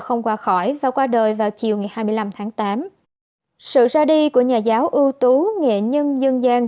không qua khỏi và qua đời vào chiều ngày hai mươi năm tháng tám sự ra đi của nhà giáo ưu tú nghệ nhân dân gian